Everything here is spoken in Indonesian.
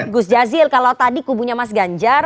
gus jazil kalau tadi kubunya mas ganjar